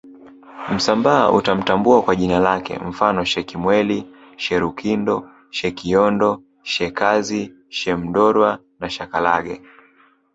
Msambaa utamtambua kwa jina lake mfano Shekimweli Sherukindo Shekiondo Shekazi Shemndorwa na shakalage